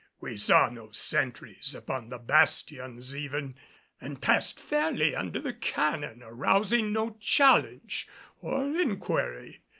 We saw no sentries upon the bastions even, and passed fairly under the cannon, arousing no challenge or inquiry.